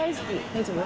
大丈夫？